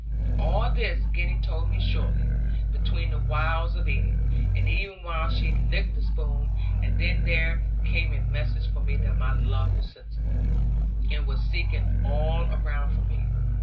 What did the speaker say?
All this Gwenny told me shortly, between the whiles of eating, and even while she licked the spoon; and then there came a message for me that my love was sensible, and was seeking all around for me.